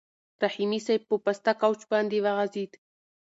رحیمي صیب په پاسته کوچ باندې وغځېد.